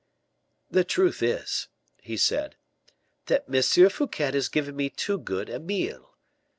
"The truth is," he said, "that M. Fouquet has given me too good a meal.